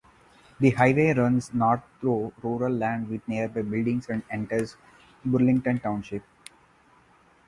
The highway runs north through rural land with nearby buildings and enters Burlington Township.